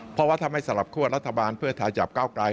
เพราะว่าทำให้สลับคั่วรัฐบาลเพื่อไทยจากก้าวกาย